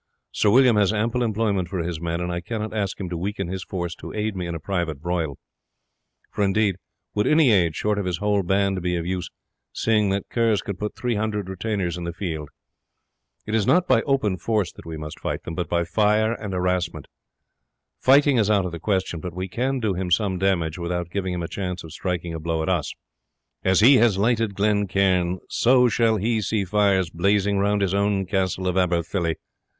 Sir William has ample employment for his men, and I cannot ask him to weaken his force to aid me in a private broil; nor, indeed, would any aid short of his whole band be of use, seeing that the Kerrs can put three hundred retainers in the field. It is not by open force that we must fight them, but by fire and harassment. Fighting is out of the question; but we can do him some damage without giving him a chance of striking a blow at us. As he has lighted Glen Cairn, so shall he see fires blazing round his own castle of Aberfilly.